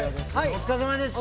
お疲れさまです